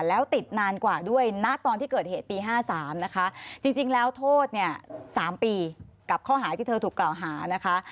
แล้วติดนานกว่าด้วยณตอนที่เกิดเหตุปี๕๓นะคะจริงแล้วโทษเนี่ย๓ปีกับข้อหาที่เธอถูกกล่าวหานะคะ